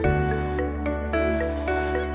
jangan lupa subscribe channel tujuh